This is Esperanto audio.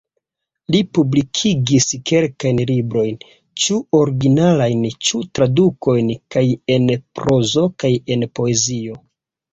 Li publikigis kelkajn librojn, ĉu originalajn ĉu tradukojn, kaj en prozo kaj en poezio.